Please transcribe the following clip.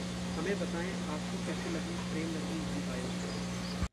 हमें बताएं, आपको कैसी लगी 'प्रेम रतन धन पायो'?